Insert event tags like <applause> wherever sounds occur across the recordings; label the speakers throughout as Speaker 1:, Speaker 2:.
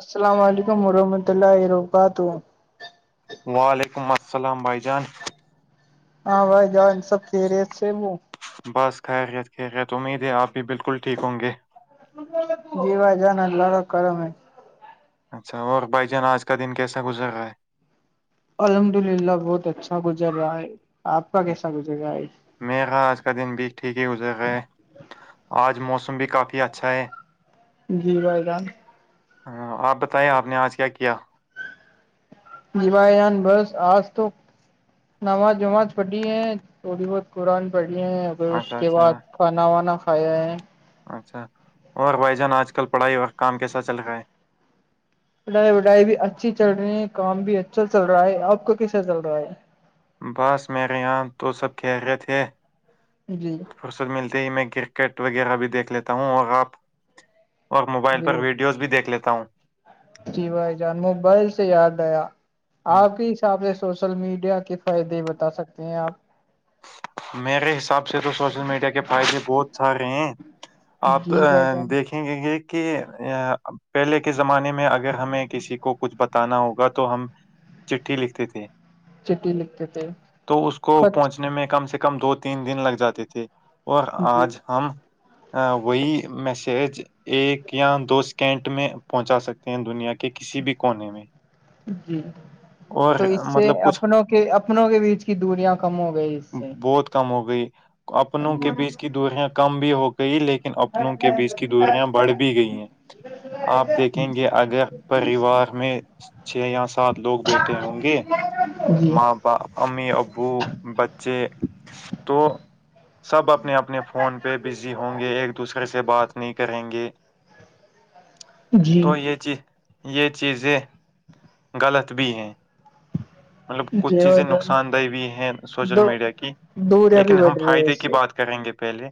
Speaker 1: السلام علیکم و رحمۃ اللہ وبرکاتہ
Speaker 2: وعلیکم السلام بھائی جان
Speaker 1: ہاں بھائی جان سب خیریت سے ہو
Speaker 2: بس خیریت ہے امید ہے آپ بھی بالکل ٹھیک ہوں گے
Speaker 1: جی بھائی جان اللہ کا کرم ہے
Speaker 2: اچھا اور بھائی جان آج کا دن کیسا گزر گا ہے
Speaker 1: الحمد للہ بہت اچھا گزر رہا ہے آپ کا کیسا گزر رہا ہے
Speaker 2: میرا آج کا دن بھی ٹھیک ہی گزر گئے آج موسم بھی کافی اچھا ہے
Speaker 1: جی بھائی جان
Speaker 2: ہاں آپ بتائیے آپ نے آج کیا کیا
Speaker 1: جی بھائی جان بس آج تو نماز وماز پڑھی ہیں تھوڑی بہت قرآن پڑھنی ہیں پھر اس
Speaker 2: اچھا
Speaker 1: کے بعد
Speaker 2: اچھا
Speaker 1: کھانا وانا کھائے ہیں
Speaker 2: اچھا اور بھائی جان آج کل پڑھائی اور کام کیسا چل رہا ہے
Speaker 1: پڑھائی وڑھائی بھی اچھی چل رہی ہے کام بھی اچھا چل رہا ہے آپ کا کیسا چل رہا ہے
Speaker 2: ہے بس میرے یہاں تو سب خیریت ھے
Speaker 1: جی
Speaker 2: فرصت ملتی ہی میں کرکٹ وغیرہ بھی دیکھ لیتا ہوں اور آپ اور موبائل پر
Speaker 1: جی
Speaker 2: ویڈیوز بھی دیکھ لیتا ہوں
Speaker 1: جی بھائی جان موبائل سے یاد آیا آپ کے حساب سے سوشل میڈیا کے فائدے بتا سکتے ہیں آپ
Speaker 2: میرے حساب سے تو سوشل میڈیا کے فائدے بہت سارے ہیں آپ
Speaker 1: جی بھائی جان
Speaker 2: دیکھے یہ کہ پہلے کے زمانے میں اگر ہمیں کسی کو کچھ بتانا ہوگا تو ہم چٹھی لکھتے تھے
Speaker 1: چٹی لکھتے تھے
Speaker 2: تو اس کو
Speaker 1: خط
Speaker 2: پہنچنے میں کم سے کم دو تین دن لگ جاتے تھے اور
Speaker 1: جی
Speaker 2: آج ہم وہی میسج ایک یا دو سیکنٹ میں پہنچا سکتے ہیں دنیا کے کسی بھی کونے میں
Speaker 1: جی
Speaker 2: اور مطلب کچھ
Speaker 1: کہ اپنوں کے بیچ کی دوریاں کم ہو گئی سے
Speaker 2: بہت کم ہو گئی اپنوں کے بیچ کی دوریاں کم بھی ہو گئی لیکن اپنوں کے بیچ کی دوریاں بڑھ بھی گئی ہیں آپ دیکھیں گے اگر پریوار میں چھ یا سات لوگ بیٹھے ہوں گے
Speaker 1: جی
Speaker 2: ماں امی ابو بچے تو سب اپنے اپنے فون پہ بزی ہوں گے ایک دوسرے سے بات نہیں کریں گے
Speaker 1: جی
Speaker 2: تو یہ چیز یہ چیزیں غلط بھی ہیں مطلب کچھ
Speaker 1: جی
Speaker 2: چیزیں
Speaker 1: بھائی جان،
Speaker 2: نقصان دہ بھی ہیں سوشل
Speaker 1: دو
Speaker 2: میڈیا کی
Speaker 1: دوریا بھی
Speaker 2: لیکن ہم
Speaker 1: بڑھ رہی ہے
Speaker 2: فائدے
Speaker 1: اس
Speaker 2: کی
Speaker 1: سے
Speaker 2: بات کریں گے پہلے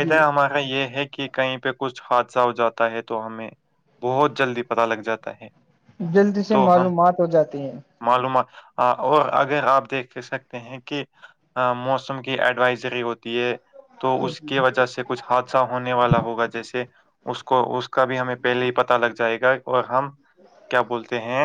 Speaker 1: جی
Speaker 2: ہمارا یہ ہے کہ کہیں پہ کچھ حادثہ ہو جاتا ہے تو ہمیں بہت جلدی پتا لگ جاتا ہے
Speaker 1: جلدی سے
Speaker 2: تو ہم
Speaker 1: معلومات ہو جاتی ہیں
Speaker 2: معلومات اور اگر آپ دیکھ س ہیں کہ موسم کی ایڈوائزری ہوتی ہے تو اس کی وجہ سے کچھ حادثہ ہونے والا ہوگا جیسے اس کو اس کا بھی ہمیں پہلے ہی پتا لگ جائے گا اور ہم کیا بولتے ہیں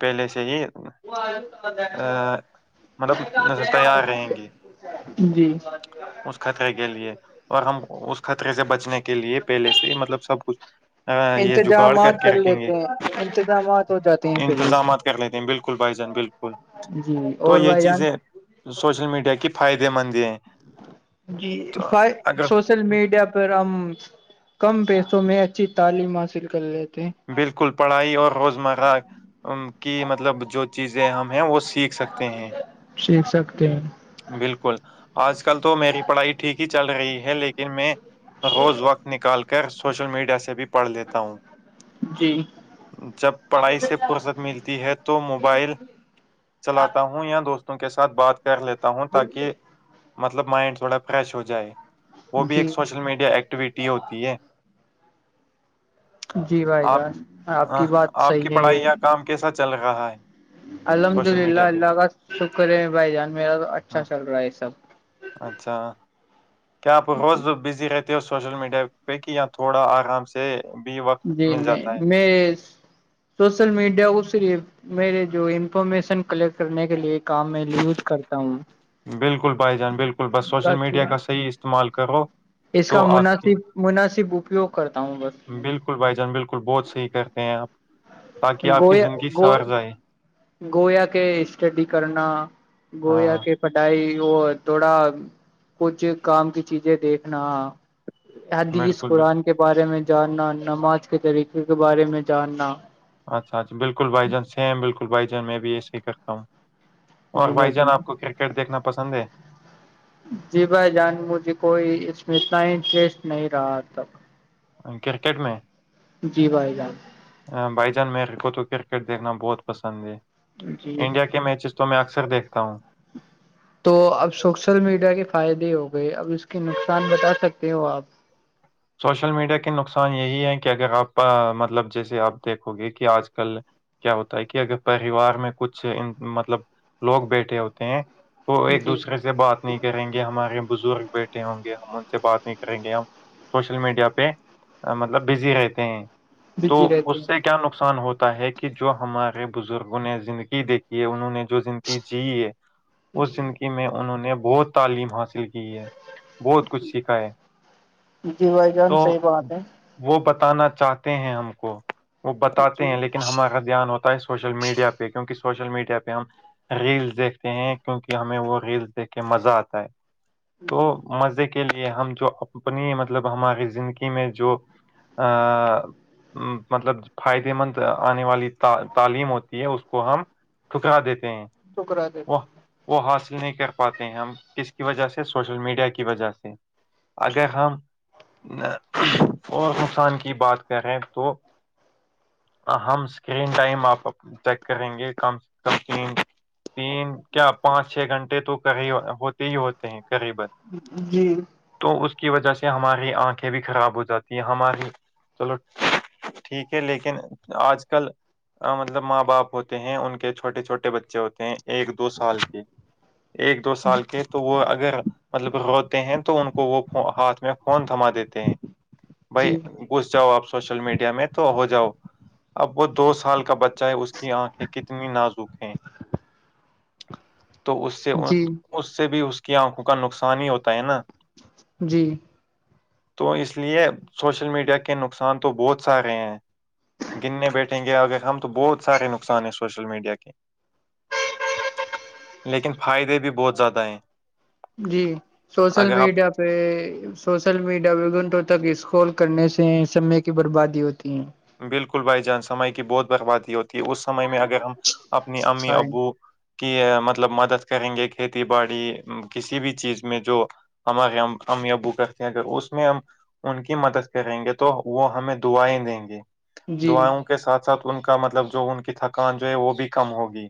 Speaker 2: پہلے سے ہی
Speaker 1: وہ آ
Speaker 2: مطلب تیار
Speaker 1: س
Speaker 2: رہیں گے
Speaker 1: ہے جی
Speaker 2: اس خطرے کے لیے اور ہم اس خطرے سے بچنے کے لیے پہلے سے مطلب سب کچھ ہ یہ جگاڑ
Speaker 1: انتظامات
Speaker 2: کر کے رکھیں گے
Speaker 1: لیتے ہیں انتظامات ہو جاتے ہیں پہلے
Speaker 2: انتظامات
Speaker 1: سے
Speaker 2: کر لیتے ہیں بالکل بالکل بھائی جان بالکل
Speaker 1: جی
Speaker 2: تو
Speaker 1: اور
Speaker 2: یہ
Speaker 1: بھائی جان
Speaker 2: چیزیں سوشل میڈیا کی فائدے مند ہے ہیں
Speaker 1: جی
Speaker 2: تو
Speaker 1: فائی
Speaker 2: اگر
Speaker 1: سو سوشل میڈیا پر ہم کم پیسوں میں اچھی تعلیم حاصل کر لیتے ہیں
Speaker 2: بالکل پڑھائی اور روزمرہ ان کی مطلب جو چیزیں ہم ہیں وہ سیکھ سکتے ہیں
Speaker 1: سیکھ سکتے ہیں
Speaker 2: بالکل آج کل تو میری پڑھائی ٹھیک ہی چل رہی ہے لیکن میں روز وقت نکال کر سوشل میڈیا سے بھی پڑھ لیتا ہوں
Speaker 1: جی
Speaker 2: جب پڑھائی سے فرصت ملتی ہے تو موبائل چلاتا ہوں ہ یا دوستوں کے ساتھ بات کر لیتا ہوں تاکہ مطلب مائنڈ تھوڑا فریش ہو جائے وہ بھی ایک
Speaker 1: جی
Speaker 2: سوشل میڈیا ایکٹیویٹی ہوتی ہے
Speaker 1: جی بھائی
Speaker 2: آپ
Speaker 1: جان آپ کی بات
Speaker 2: آپ کی
Speaker 1: صحیح ہے
Speaker 2: پڑھائی
Speaker 1: یہ
Speaker 2: یا کام کیسا چل رہا ہے
Speaker 1: الحمد
Speaker 2: سوشل
Speaker 1: للہ
Speaker 2: میڈیا پہ
Speaker 1: اللہ کا شکر ہے بھائی جان میرا تو
Speaker 2: ہ
Speaker 1: اچھا چل رہا ہے سب
Speaker 2: اچھا کیا آپ روز بزی رہتے ہو سوشل میڈیا پ کہ یا تھوڑا آرام سے بھی وقت
Speaker 1: جی
Speaker 2: مل
Speaker 1: نہیں
Speaker 2: جاتا
Speaker 1: میں سوشل میڈیا کوریے میںے جو انفارمیشن کلیکٹ کرنے کے لیے کام میں یوز کرتا ہوں
Speaker 2: بالکل بھائی جان بالکل بس سوشل میڈیا
Speaker 1: تاکہ
Speaker 2: کا صحیح استعمال کر رہو
Speaker 1: اس کا مناسب مناسب اپیوگ کرتا ہوں بس
Speaker 2: بالکل بھائی جان بالکل بہت صحیح کرتے ہیں آپ تاکہ آپ کی
Speaker 1: گویا
Speaker 2: زندگی
Speaker 1: گو
Speaker 2: سار جائے
Speaker 1: گویا کے اسٹڈی کرنا گویا
Speaker 2: ہاں
Speaker 1: کے پٹائی اور تھوڑا کچھ کام کی چیزیں دیکھنا حدیث
Speaker 2: بالکل بال
Speaker 1: قرآن کے بارے میں جاننا نماز کے طریقے کے بارے میں جاننا
Speaker 2: اچھا اچھا بالکل بھائی جان سم بالکل بھائی جان میں بھی یہے ہی کرتا ہوں اور بھائی جان آپ کو کرکٹ دیکھنا پسند ہے
Speaker 1: جی بھائی جان مجھے کوئی اس میں اتنا انٹرسٹ نہیں رہا تھاب
Speaker 2: کرکٹ میں
Speaker 1: جی بائی گان
Speaker 2: بھائی جان میرے کو تو کرکٹ دیکھنا بہت پسند ہے
Speaker 1: جی
Speaker 2: انڈیا کے میچز تو میں اکثر دیکھتا ہوں
Speaker 1: تو اب سوشل میڈیا کے فائدے ہو گئے اب اس کے نقصان بتا سکتے ہو آپ
Speaker 2: سوشل میڈیا کے نقصان یہی ہے کہ اگر آپ مطلب جیسے آپ دیکھو گے کہ آج کل کیا ہوتا ہے کہ اگر پریوار میں کچھ مطلب لوگ بیٹھے ہوتے ہیں تو ایک
Speaker 1: جی
Speaker 2: دوسرے سے بات نہیں کریں گے ہمارے بزرگ بیٹے ہوں گے ہم ان سے بات نہیں کریں گے ہم سوشل میڈیا پہ مطلب بزی رہتے ہیں تو
Speaker 1: بزی رہتے
Speaker 2: اس سے
Speaker 1: ہیں
Speaker 2: کیا نقصان ہوتا ہے کہ جو ہمارے بزرگوں نے زندگی دیکھی ہے انہوں نے جو زندگی جی ہے اس زندگی میں انہوں نے بہت تعلیم حاصل کی ہے بہت کچھ سکھاائے
Speaker 1: ج جی بھائی جان صحیح بات ہے
Speaker 2: وہ بتانا چاہتے ہیں ہم کو وہ بتاتے ہیں لیکن ہمارا دھیان ہوتا ہے سوشل میڈیا پہ کیونکہ سوشل میڈیا پہ ہم ریلس دیکھتے ہیں کیونکہ ہمیں وہ ریلس دیکھ کے مزہ آتا ہے تو مزے کے لیے ہم جو اپنی مطلب ہماری زندگی میں جو آ مطلب فا ئدے مند آنے والی تعلیم ہوتی ہے اس کو ہم ٹھکرا دیتے ہیں
Speaker 1: شکرات <unintelligible>
Speaker 2: وہ وہ حاصل نہیں کر پاتے ہیں ہم کس کی وجہ سے سوشل میڈیا کی وجہ سے اگر ہم اور نقصان کی بات کریں تو ہم اسکرین ٹائم آپ چیک کریں گے کم سے کم تین تین کیا پانچ چھ گھنٹے تو کری ہوتے ہی ہوتے ہیں قریبا
Speaker 1: جی
Speaker 2: تو اس کی وجہ سے ہماری آنکھیں بھی خراب ہو جاتی ہیں ہماری چلو ٹھیک ہے لیکن آج کل مطلب ماں باپ ہوتے ہیں ان کے چھوٹے چھوٹے بچے ہوتے ہیں ایک دو سال کے ایک دو سال کے تو وہ اگر مطلب روتے ہیں تو ان کو وہ ہاتھ میں فون تھما دیتے ہیں بھائی
Speaker 1: جی
Speaker 2: گھس جاؤ آپ سوشل میڈیا میں تو ہو جاؤ اب وہ دو سال کا بچہ چاہے اس کی آنکھیں کتنی نازک ہیں تو اس سے
Speaker 1: جی
Speaker 2: اس سے بھی اس کی آنکھوں کا نقصان ہی ہوتا ہے نا
Speaker 1: جی
Speaker 2: تو اس لیے سوشل میڈیا کے نقصان تو بہت سارے ہیں گننے بیٹھیں گے آگگر ہم تو بہت سارے نقصان ہیں سوشل میڈیا کے لیکن فائدے بھی بہت زیادہ ہیں
Speaker 1: جی سوشل
Speaker 2: اگر آپ
Speaker 1: میڈیا پہ سوشل میڈیا گھنٹوں تک اسکول کرنے سے سمے کی بربادی ہوتی ہیں
Speaker 2: بالکل بھائی جان سمے کی بہت بربادی ہوتی اس سمے میں اگر ہم اپنی امی
Speaker 1: کائن
Speaker 2: ابو کی مطلب مدد کریں گے کھیتی باڑی کسی بھی چیز میں جو ہمار ہم ابو کاختے ہیں کر اس میں ہم ان کی مدد کریں گے تو وہ ہمیں دعائیں دیں گے
Speaker 1: جی
Speaker 2: دعاؤوں کے ساتھ ساتھ ان کا مطلب جو ان کی تھکان جو ہے وہ بھی کم ہوگی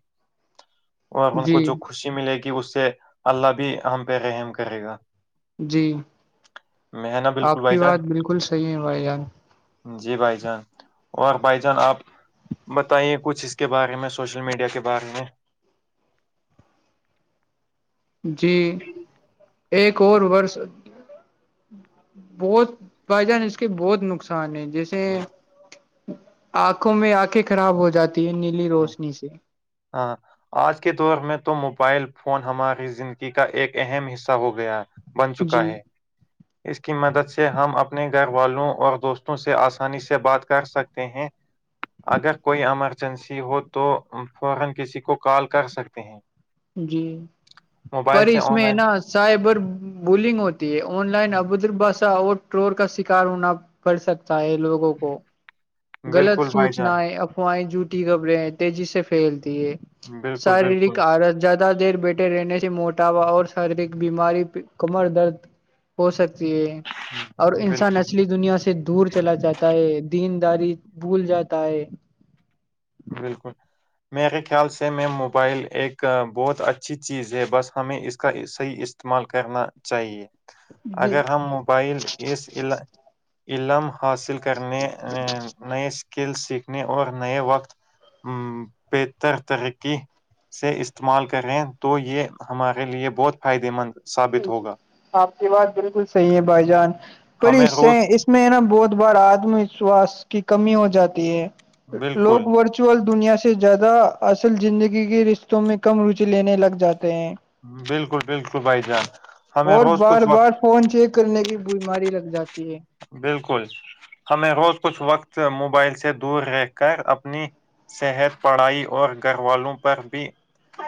Speaker 2: اور ان کو
Speaker 1: جی
Speaker 2: جو خوشی ملے گی اس سے اللہ بھی ہم پہ رحم کرے گا
Speaker 1: جی
Speaker 2: میں ہے نا بالکل
Speaker 1: آپ
Speaker 2: بھائی
Speaker 1: کی بات
Speaker 2: جان
Speaker 1: بالکل صحیح ہے بھائی جان
Speaker 2: جی بھائی جان اور بائی جان آپ بتائیے کچھ اس کے بارے میں سوشل میڈیا کے بارے میں
Speaker 1: جی ایک اور ورس بہت بائی جان اس کے بہت نقصان ہے جیسے آنکھوں میں آنکھیں خراب ہو جاتی ہے نیلی روشنی سے
Speaker 2: ہاں آج کے دور میں تو موبائل فون ہماری زندگی کا ایک اہم حصہ ہو گیا بن چکا
Speaker 1: جی
Speaker 2: ہے اس کی مدد سے ہم اپنے گھر والوں اور دوستوں سے آسانی سے بات کر سکتے ہیں اگر کوئی ایمرجنسی ہو تو فورا کسی کو کال کر سکتے ہیں
Speaker 1: جی
Speaker 2: موبائل
Speaker 1: پر
Speaker 2: سے
Speaker 1: اس
Speaker 2: آن
Speaker 1: میں
Speaker 2: لائن
Speaker 1: نا سائبر بولنگ ہوتی ہے آن لائن ابدر باشا اور ٹرور کا شکار ہونا پ سکتا ہے لوگوں کو غلط
Speaker 2: بالکل بھائی جان
Speaker 1: سوچنا ہے خوائیں جوٹی خبریں ہیں تیزی سے پھیلتی ہے
Speaker 2: بالکل
Speaker 1: شارییرک
Speaker 2: بالکل
Speaker 1: آر زیادہ دیر بیٹھے رہنے سے موٹاپا اور شارییرک بیماری کمر درد ہو سکتی ہے اور انسان
Speaker 2: بالکل
Speaker 1: اصلی دنیا سے سے دور چلا جاتا ہے دینداری بھول جاتا ہے
Speaker 2: بالکل میرے خیال سے میں موبائل ایک بہت اچھی چیز ہے بس ہمیں اس کا صحیح استعمال کرنا چاہیے
Speaker 1: جی
Speaker 2: اگر ہم موبائل اس علم حاصل کرنے نئے اسکل سیکھنے اور نئے وقت ا بہتر ترقی <unintelligible> سے استعمال کریں تو یہ ہمارے لیے بہت فائدے مند ثابت
Speaker 1: ج جی
Speaker 2: ہوگا
Speaker 1: آپ کی بات بالکل صحیح ہے بھائی جان پر
Speaker 2: ہمیں
Speaker 1: اس سے
Speaker 2: روز
Speaker 1: اس میں نا بہت بار آتم وشواس کی کمی ہو جاتی ہے
Speaker 2: بالکل
Speaker 1: لوگ ور ل دنیا سے زیادہ اصل زندگی کے رشتوں میں کم روچی لینے لگ جاتے ہیں
Speaker 2: بالکل بالکل بھائی جان ہمیں
Speaker 1: اور
Speaker 2: روز
Speaker 1: بار
Speaker 2: کچھ
Speaker 1: بار
Speaker 2: وقت
Speaker 1: فون چیک کرنے کی بیماری لگ جاتی ہے
Speaker 2: بالکل ہمیں روز کچھ وقت موبائل سے دور رہ کر اپنی صحت پڑھائی اور گھر والوں پر بھی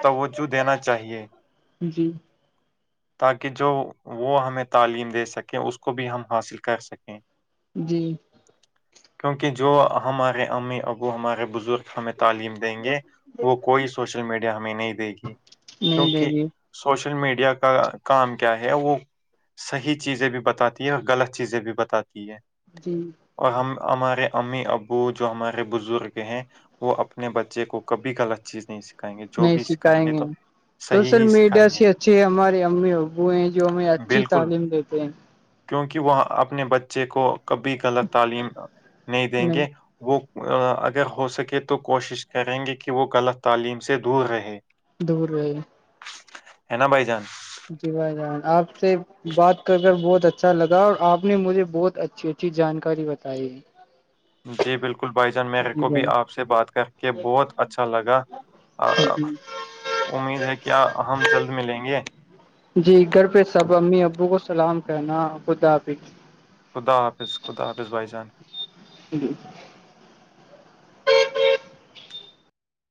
Speaker 2: توجہ دینا چاہیے
Speaker 1: جی
Speaker 2: تاکہ جو وہ ہمیں تعلیم دے سکیں اس کو بھی ہم حاصل کر سکیں
Speaker 1: جی
Speaker 2: کیونکہ جو ہمارے امی ابو ہمارے بزرگ ہمیں تعلیم دیں گے وہ کوئی سوشل میڈیا ہمیں نہیں دے گی
Speaker 1: نہیں دے
Speaker 2: کیونکہ
Speaker 1: گی
Speaker 2: سوشل میڈیا کا کام کیا ہے وہ صحیح چیزیں بھی بتاتی ہے اور غلط چیزیں بھی بتاتی ہے
Speaker 1: جی
Speaker 2: اور ہم ہمارے امی ابو جو ہمارے بزرگ ہیں وہ اپنے بچے کو کبھی غط چیز نہیں س
Speaker 1: نہیں سکھائیں گے
Speaker 2: صحیح
Speaker 1: سوشل
Speaker 2: ہی
Speaker 1: میڈیا
Speaker 2: سکھائیں
Speaker 1: سے
Speaker 2: گے
Speaker 1: اچھے ہمارے امی ابو ہیں جو ہمیں اچھی
Speaker 2: بالکل
Speaker 1: تعلیم دیتے ہیں
Speaker 2: کیونکہ وہ اپنے بچے کو کبھی غلط تعلیم نہیں دیں گے وہ اگر ہو سکے تو کوشش کریں گے کہ وہ غلط تعلیم سے دور رہے
Speaker 1: دور رہے
Speaker 2: ہے نا بھائی جان
Speaker 1: جی بھائی جان آپ سے بات کر کر بہت اچھا لگا اور آپ نے مجھے بہت اچھی اچھی جانکاری بتائی
Speaker 2: جی بالکل بالکل بھائی جان میرے
Speaker 1: جی
Speaker 2: کو بھی آپ
Speaker 1: بھائی
Speaker 2: سے بات کر کے بہت اچھا لگا امید ہے کیا ہم جلد ملیں گے
Speaker 1: جی گھر پہ سب امی ابو کو سلام کرنا خداپ
Speaker 2: خدا حافظ خدا حافظ بائی جان
Speaker 1: جی